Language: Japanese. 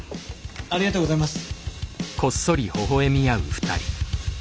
ありがとうございます。